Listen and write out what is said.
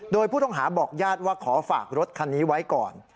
โดยผู้ต้องหาบอกญาติว่าขอฝากรถคันนี้ไว้ก่อน